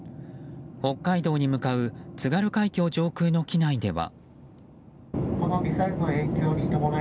北海道に向かう津軽海峡上空の機内では。